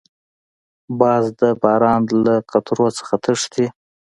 باز د باران له قطرو نه تښتي